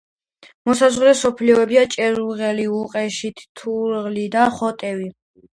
მოსაზღვრე სოფლებია: ჭელიაღელე, უყეში, თლუღი და ხოტევი.